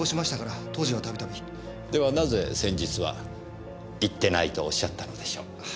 なぜ先日は行ってないとおっしゃったのでしょう？